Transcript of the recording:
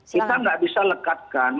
kita gak bisa lekatkan